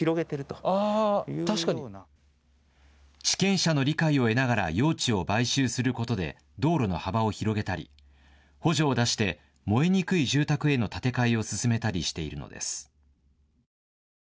地権者の理解を得ながら用地を買収することで道路の幅を広げたり、補助を出して燃えにくい住宅への建て替えを進めたりしているのです。